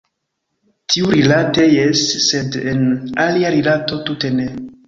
Tiurilate jes, sed en alia rilato tute ne.